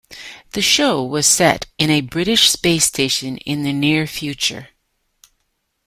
The show was set in a British space station in the near future.